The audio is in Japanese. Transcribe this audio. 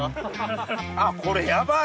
あっこれヤバい。